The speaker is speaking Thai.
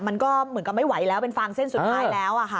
มันก็เหมือนกับไม่ไหวแล้วเป็นฟางเส้นสุดท้ายแล้วค่ะ